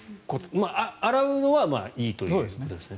洗うのはいいということですね。